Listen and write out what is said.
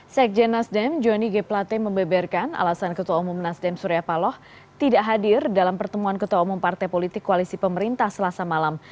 sekjen nasdem joni g plate membeberkan alasan ketua umum nasdem surya paloh tidak hadir dalam pertemuan ketua umum partai politik koalisi pemerintah selasa malam